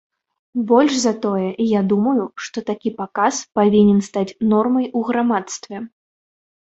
Больш за тое, я думаю, што такі паказ павінен стаць нормай у грамадстве.